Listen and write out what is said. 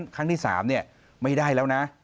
ครั้งที่๓ไม่ได้แล้วนะ